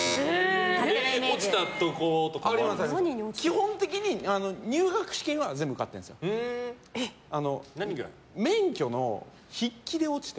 基本的に、入学試験は全部受かってるんですよ。何で？